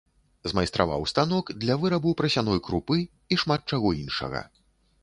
Змайстраваў станок для вырабу прасяной крупы і шмат чаго іншага.